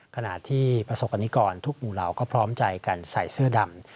ขณะที่ประสบกรณิกรทุกหมู่เหล่าก็พร้อมใจกันใส่เสื้อดำ